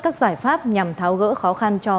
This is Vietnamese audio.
các giải pháp nhằm tháo gỡ khó khăn cho